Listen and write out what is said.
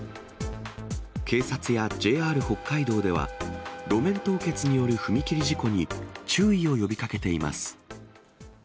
警察やＪＲ北海道では、路面凍結による踏切事故に注意を呼びかけています。